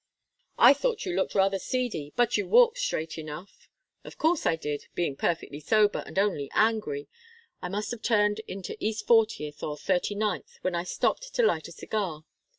I thought you looked rather seedy, but you walked straight enough." "Of course I did being perfectly sober, and only angry. I must have turned into East Fortieth or Thirty ninth, when I stopped to light a cigar.